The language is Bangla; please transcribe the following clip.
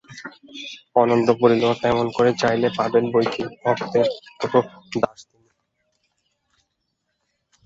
অনন্ত বলিল, তেমন করে চাইলে পাবেন বৈকি, ভক্তের তো দাস তিনি।